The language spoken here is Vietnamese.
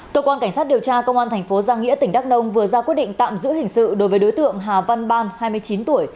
cơ quan cảnh sát điều tra công an thành phố giang nghĩa tỉnh đắk nông vừa ra quyết định tạm giữ hình sự đối với đối tượng hà văn ban hai mươi chín tuổi